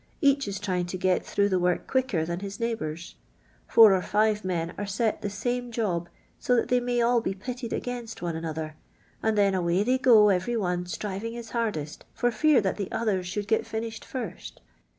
K.ich is trying to get t!irou;ih the wurk quieker than his neighbours. Four ur live men are set the same job, so that they may be all ]iitted against (<nc another, and then away they go every one striving his bardcbt for fi ar t'tiat the others should get fuiished first.